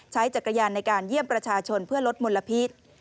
ใช้จักรยานในการเยี่ยมประชาชนเพื่อลดมลพิษ